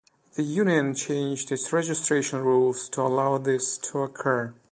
The Union changed its registration rules to allow this to occur.